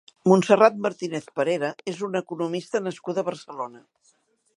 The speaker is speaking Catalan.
Montserrat Martínez Parera és una economista nascuda a Barcelona.